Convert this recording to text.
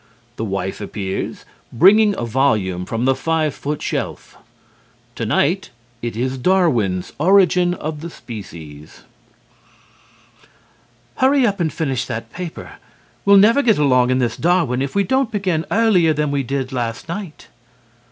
The wife appears, bringing a volume from the Five Foot Shelf. Tonight it is Darwin's "Origin of Species_.") WIFE: Hurry up and finish that paper. We'll never get along in this Darwin if we don't begin earlier than we did last night.